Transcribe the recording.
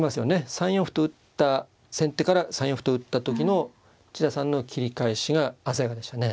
３四歩と打った先手から３四歩と打った時の千田さんの切り返しが鮮やかでしたね。